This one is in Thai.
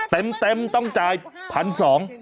เต็มต้องจ่าย๑๒๐๐บาท